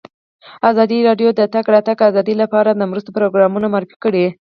ازادي راډیو د د تګ راتګ ازادي لپاره د مرستو پروګرامونه معرفي کړي.